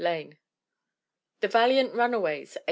Lane. The Valiant Runaways, 1899.